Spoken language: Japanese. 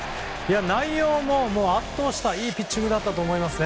内容も圧倒したいいピッチングだと思います。